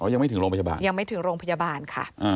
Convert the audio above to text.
ยังไม่ถึงโรงพยาบาลยังไม่ถึงโรงพยาบาลค่ะ